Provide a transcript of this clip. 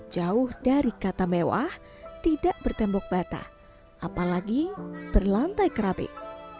jauh dari kata mewah tidak bertembok bata apalagi berlantai kerapik